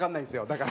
だから。